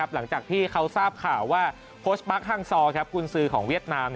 หลังจากที่เขาทราบข่าวว่าโค้ชมาร์คฮังซอร์กุญสือของเวียดนาม